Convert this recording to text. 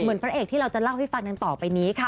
เหมือนพระเอกที่เราจะเล่าให้ฟังต่อไปนี้ค่ะ